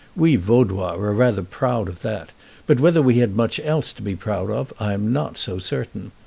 We Vaudois were rather proud of that, but whether we had much else to be proud of I am not so certain.